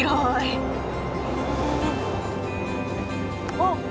あっ！